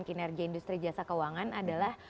kinerja industri jasa keuangan adalah